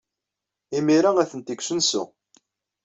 Imir-a, atenti deg usensu.